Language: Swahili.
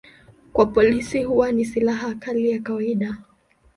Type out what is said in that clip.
Kwa polisi huwa ni silaha kali ya kawaida.